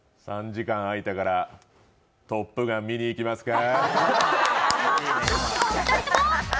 ３時間あいたから「トップガン」見に行きますか？